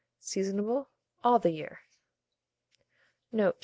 Seasonable all the year. Note.